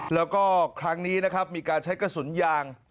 แล้วก็ครั้งนี้นะครับมีการใช้กระสุนยาง